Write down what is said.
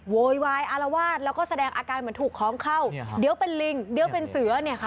โวยวายอารวาสแล้วก็แสดงอาการเหมือนถูกของเข้าเดี๋ยวเป็นลิงเดี๋ยวเป็นเสือเนี่ยค่ะ